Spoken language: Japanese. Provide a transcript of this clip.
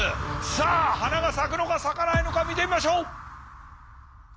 さあ花が咲くのか咲かないのか見てみましょう。